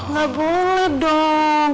gak boleh dong